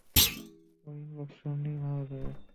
ও ইনফেকশনেই মারা যাবে।